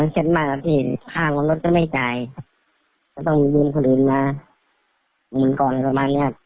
เขาว่าไงบ้างครับ